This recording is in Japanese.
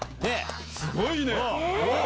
すごいね！